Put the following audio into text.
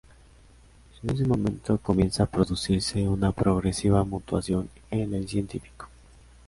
En ese momento, comienza a producirse una progresiva mutación en el científico.